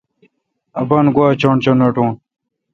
اپان گواچݨ چݨ اٹوُن۔